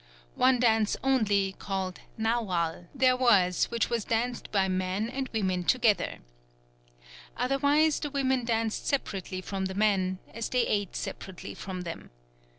One dance only, called Naual, there was which was danced by men and women together. Otherwise the women danced separately from the men, as they ate separately from them.